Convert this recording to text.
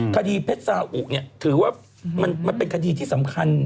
คดีเพชรสาอุเนี่ยถือว่ามันเป็นคดีที่สำคัญ